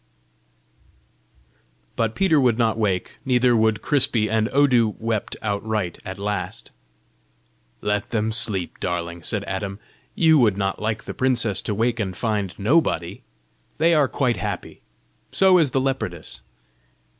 But Peter would not wake, neither would Crispy, and Odu wept outright at last. "Let them sleep, darling!" said Adam. "You would not like the princess to wake and find nobody? They are quite happy. So is the leopardess."